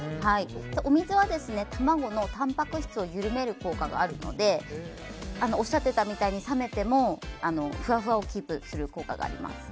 お水は卵のたんぱく質を緩める効果があるのでおっしゃってたみたいに冷めてもふわふわをキープする効果があります。